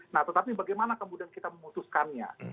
nah tetapi bagaimana kemudian kita memutuskannya